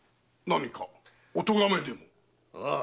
何かお咎めでも？